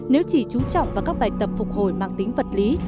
nếu chỉ trú trọng vào các bài tập phục hồi mang tính vật lý